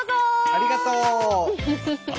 ありがとう！